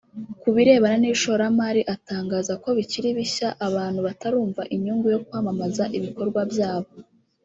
Ku birebana n’ishoramari atangaza ko bikiri bishya abantu batarumva inyungu yo kwamamaza ibikorwa byabo